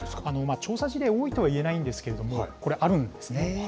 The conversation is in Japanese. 調査事例、多いとはいえないんですけれども、これ、あるんですね。